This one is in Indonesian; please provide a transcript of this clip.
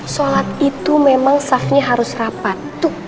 sholat itu memang safnya harus rapat